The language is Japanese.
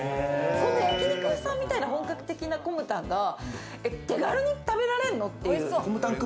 焼き肉屋さんみたいな本格的なコムタンが手軽に食べられるの？という。